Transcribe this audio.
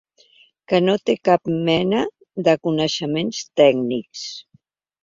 Que no té cap mena de coneixements tècnics.